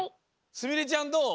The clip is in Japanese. すみれちゃんどう？